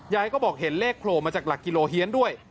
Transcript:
ยายก็บอกเห็นเลขโผล่มาจากหลักกิโลเฮียนด้วย